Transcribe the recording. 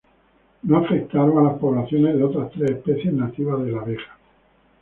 No afectaron a las poblaciones de otras tres especies nativas de la abeja.